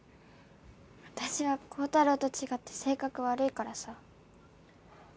私は高太郎と違って性格悪いからさ。